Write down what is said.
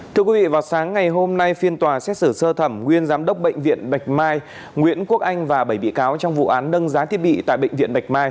thưa quý vị vào sáng ngày hôm nay phiên tòa xét xử sơ thẩm nguyên giám đốc bệnh viện bạch mai nguyễn quốc anh và bảy bị cáo trong vụ án nâng giá thiết bị tại bệnh viện bạch mai